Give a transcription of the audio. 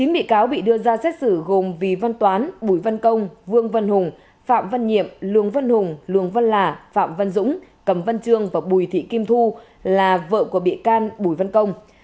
chín bị cáo bị đưa ra xét xử gồm vì văn toán bùi văn công vương văn hùng phạm văn nhiệm vân hùng văn là phạm văn dũng cầm văn trương và bùi thị kim thu là vợ của bị can bùi văn công